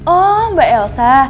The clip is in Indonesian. oh mbak elsa